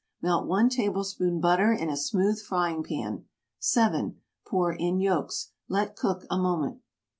Melt 1 tablespoon butter in a smooth frying pan. 7. Pour in yolks. Let cook a moment.